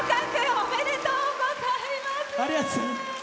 おめでとうございます。